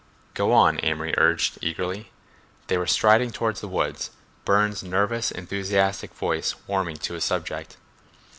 "Go on," Amory urged eagerly. They were striding toward the woods, Burne's nervous, enthusiastic voice warming to his subject.